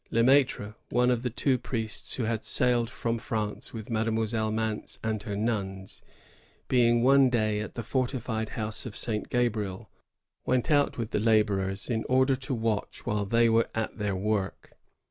Le Mattre, one of the two priests who had sailed from France with Mademoiselle Mance and her nuns, being one day at the fortified house of St. Gabriel, went out with the laborers in order to watch while they were at their work.